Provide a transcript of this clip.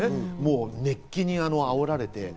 熱気にあおられて。